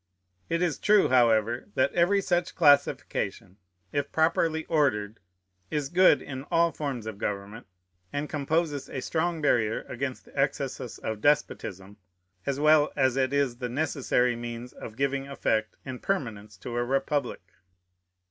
It is true, however, that every such classification, if properly ordered, is good in all forms of government, and composes a strong barrier against the excesses of despotism, as well as it is the necessary means of giving effect and permanence to a republic.